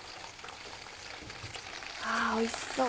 あおいしそう。